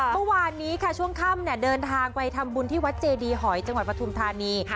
เมื่อวานนี้ค่ะช่วงค่ำเดินทางไปทำบุญที่วัดเจดีหอยจังหวัดปฐุมธานี